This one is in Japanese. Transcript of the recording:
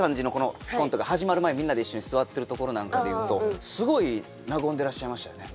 コントが始まる前みんなで一緒に座ってるところなんかで言うとすごい和んでらっしゃいましたよね。